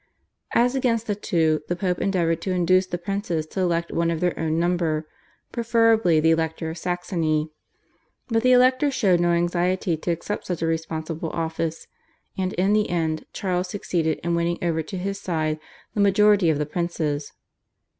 As against the two the Pope endeavoured to induce the princes to elect one of their own number, preferably the Elector of Saxony. But the Elector showed no anxiety to accept such a responsible office, and in the end Charles succeeded in winning over to his side the majority of the princes.